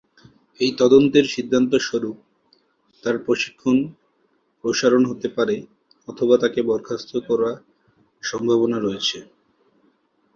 এই তদন্তের সিদ্ধান্ত স্বরূপ তার প্রশিক্ষণ প্রসারণ হতে পারে অথবা তাকে বরখাস্ত করা সম্ভাবনা রয়েছে।